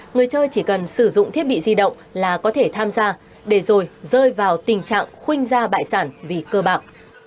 người chơi chỉ cần sử dụng thiết bị di động là có thể tham gia để rồi rơi vào tình trạng khuynh ra bại sản vì cơ bạc